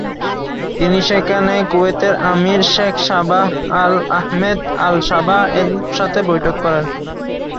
তিনি সেখানে কুয়েতের আমির, শেখ সাবাহ আল-আহমেদ আল-সাবাহ এর সাথে বৈঠক করেন।